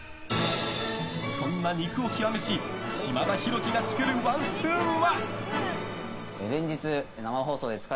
そんな肉を極めし島田浩樹が作るワンスプーンは。